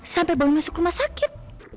sampai mau masuk rumah sakit